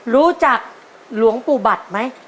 รู้จักหลวงปู่บัตรไหม